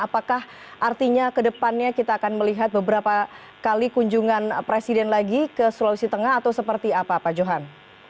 apakah artinya ke depannya kita akan melihat beberapa kali kunjungan presiden lagi ke sulawesi tengah atau seperti apa pak johan